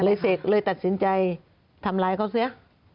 เสกเลยตัดสินใจทำร้ายเขาเสีย